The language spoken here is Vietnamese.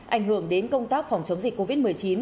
ảnh hưởng đến công tác phòng chống dịch covid một mươi chín